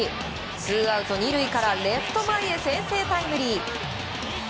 ツーアウト２塁からレフト前へ先制タイムリー。